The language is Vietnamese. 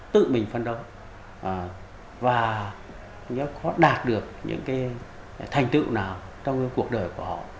tự mình phấn đấu và nhớ có đạt được những thành tựu nào trong cuộc đời của họ